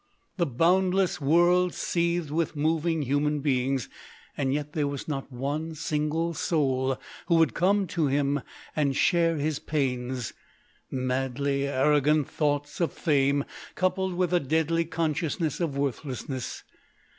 The boundless world seethed with moving human beings, and yet there was not one single soul who would come to him and share his pains—madly arrogant thoughts of fame, coupled with a deadly consciousness of worthlessness.